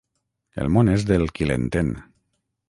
El món és del qui l'entén.